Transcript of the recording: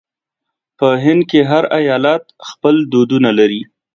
په هند کې هر ایالت خپل دودونه لري.